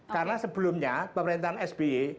karena sebelumnya pemerintahan sbi